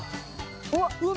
うわっうわっ